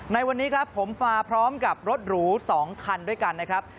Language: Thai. ในวันนี้ครับผมมาพร้อมกับรถหรู๒คันด้วยกันนะครับ